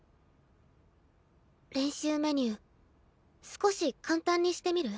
練習メニュー少し簡単にしてみる？